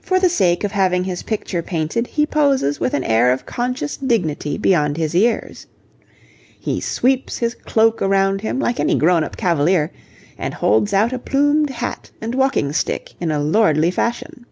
For the sake of having his picture painted, he poses with an air of conscious dignity beyond his years. He sweeps his cloak around him like any grown up cavalier, and holds out a plumed hat and walking stick in a lordly fashion.